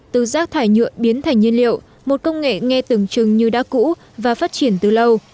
từ rác thải nhựa biến thành nhiên liệu một công nghệ nghe từng trừng như đá cũ và phát triển từ lâu